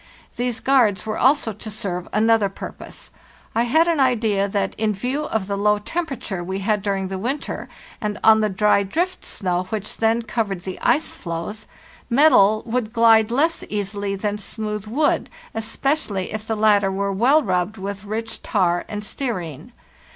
These guards were also to serve another purpose. I had an idea that, in view of the low temperature we had during the winter, and on the dry drift snow which then covered the ice floes, metal would glide less easily than smooth wood, especially if the latter were well rubbed with rich tar and stearine.